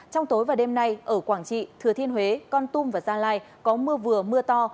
trong tối và đêm nay ở quảng trị thừa thiên huế con tum và gia lai có mưa vừa mưa to